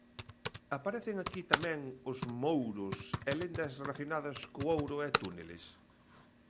Aparecen aquí tamén os "mouros" e lendas relacionadas co ouro e túneles?